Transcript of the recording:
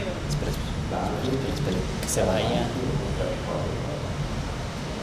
দানবীয় ক্ষেত্রে, তার মালিকই ওখানকার সর্বেসর্বা।